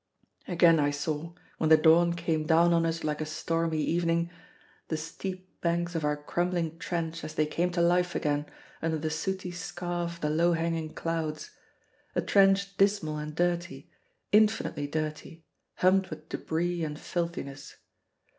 Again I saw, when the dawn came down on us like a stormy evening, the steep banks of our crumbling trench as they came to life again under the sooty scarf of the low hanging clouds, a trench dismal and dirty, infinitely dirty, humped with debris and filthiness.